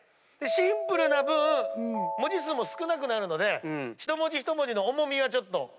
シンプルな分文字数も少なくなるので一文字一文字の重みがちょっと出てきますので。